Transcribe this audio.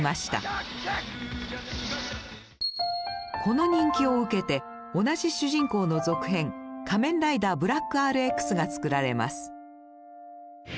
この人気を受けて同じ主人公の続編「仮面ライダーＢＬＡＣＫＲＸ」が作られます。